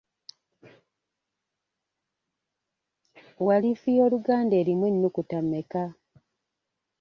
Walifu y'oluganda erimu enukuta mmeka?